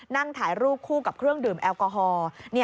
นั่งถ่ายรูปคู่กับเครื่องดื่มแอลกอฮอล์